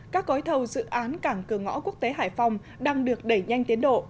các gói thầu dự án cảng cửa ngõ quốc tế hải phòng đang được đẩy nhanh tiến độ